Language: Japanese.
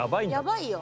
やばいよ。